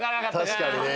確かにね。